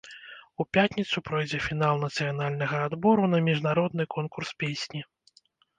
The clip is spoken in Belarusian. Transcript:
У пятніцу пройдзе фінал нацыянальнага адбору на міжнародны конкурс песні.